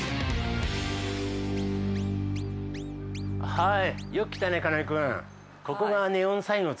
はい！